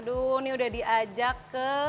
aduh ini udah diajak ke